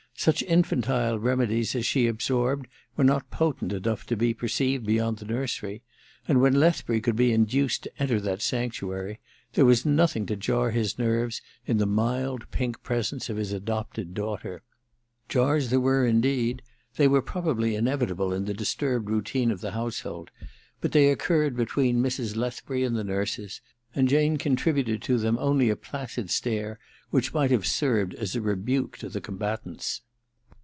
Such infantile remedies as she absorbed were not potent enough to be per ceived beyond the nursery ; and when Lethbury could be induced to enter that sanctuary, there was nothing to jar his nerves in the mild pink presence or his adopted daughter. Jars there were, indeed : they were probably inevitable in the disturbed routine of the household ; but they occurred between Mrs. Lethbury and the nurses, and Jane contributed to them only a v^ ,4 THE MISSION OF JANE iii placid stare which might have served as a rebuke to the combatants.